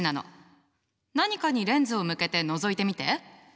何かにレンズを向けてのぞいてみて。